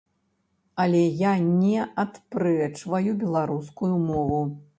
Але я не адпрэчваю беларускую мову.